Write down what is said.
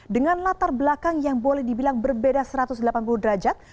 dengan latar belakang yang boleh dibilang berbeda satu ratus delapan puluh derajat